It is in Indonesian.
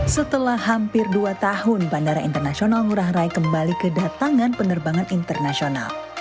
setelah hampir dua tahun bandara internasional ngurah rai kembali kedatangan penerbangan internasional